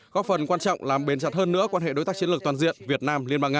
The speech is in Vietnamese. góp phần quan trọng làm bền chặt hơn nữa quan hệ đối tác chiến lược toàn diện việt nam liên bang nga